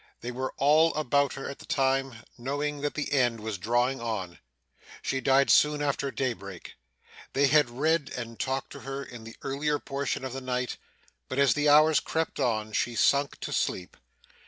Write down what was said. They were all about her at the time, knowing that the end was drawing on. She died soon after daybreak. They had read and talked to her in the earlier portion of the night, but as the hours crept on, she sunk to sleep.